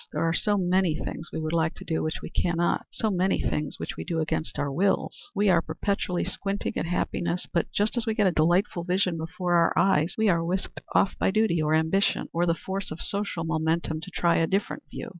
There are so many things we would like to do which we cannot; so many things which we do against our wills. We are perpetually squinting at happiness, but just as we get a delightful vision before our eyes we are whisked off by duty or ambition or the force of social momentum to try a different view.